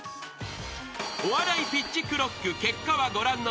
［お笑いピッチクロック結果はご覧のとおり］